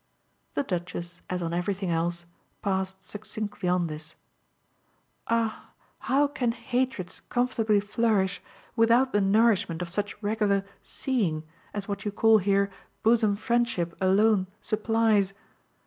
The Duchess, as on everything else, passed succinctly on this. "Ah how can hatreds comfortably flourish without the nourishment of such regular 'seeing' as what you call here bosom friendship alone supplies?